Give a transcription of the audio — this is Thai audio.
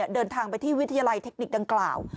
เดินทางไปที่วิทยาลัยเทคนิคดังกล่าว